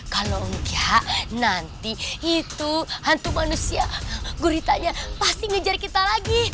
kalau enggak nanti itu hantu manusia guritanya pasti ngejar kita lagi